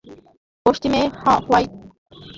পশ্চিমে হউক, পাহাড়ে হউক, যেখানে তোমার ইচ্ছা, চলো।